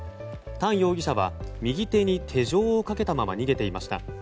タン容疑者は右手に手錠をかけたまま逃げていました。